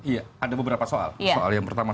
iya ada beberapa soal soal yang pertama